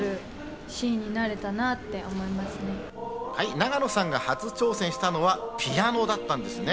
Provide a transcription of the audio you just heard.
永野さんが初挑戦したのはピアノだったんですね。